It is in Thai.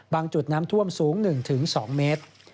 จุดน้ำท่วมสูง๑๒เมตร